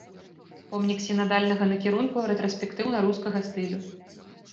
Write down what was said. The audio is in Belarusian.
Помнік сінадальнага накірунку рэтраспектыўна-рускага стылю.